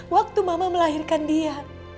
waktu mama melahirkan dia